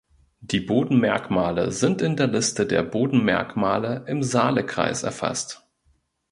Die Bodendenkmale sind in der Liste der Bodendenkmale im Saalekreis erfasst.